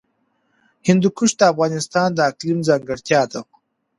هندوکش د افغانستان د اقلیم ځانګړتیا ده.